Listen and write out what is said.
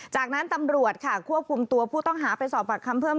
จากนั้นตำรวจค่ะควบคุมตัวผู้ต้องหาไปสอบปากคำเพิ่ม